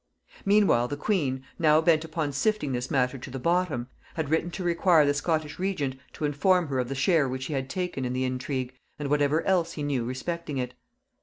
Meanwhile the queen, now bent upon sifting this matter to the bottom, had written to require the Scottish regent to inform her of the share which he had taken in the intrigue, and whatever else he knew respecting it.